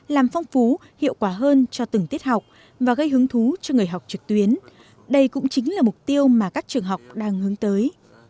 làm phong phú hiệu quả hơn cho từng tiết học và gây hứng thú cho người học trực tuyến đây cũng chính là mục tiêu mà các trường học đang hướng tới